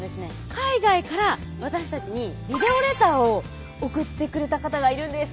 海外から私たちにビデオレターを送ってくれた方がいるんです